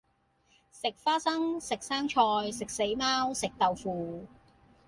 食花生，食生菜，食死貓，食豆腐